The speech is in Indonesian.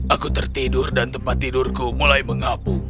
aku tertidur dan tempat tidurku mulai mengapu